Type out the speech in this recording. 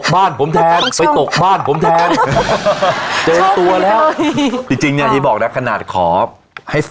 ไม่ตกที่อื่นจริงค่ะตองช่องไปตก